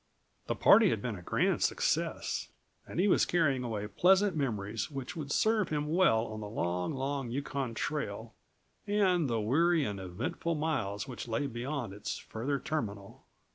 The party had been a grand success and he was carrying away pleasant memories which would serve him well on the long, long Yukon trail and the weary and eventful miles which lay beyond its further terminal.